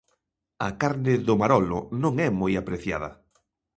A carne do marolo non é moi apreciada.